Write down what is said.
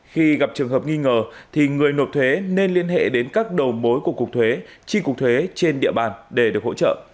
khi gặp trường hợp nghi ngờ thì người nộp thuế nên liên hệ đến các đầu mối của cục thuế chi cục thuế trên địa bàn để được hỗ trợ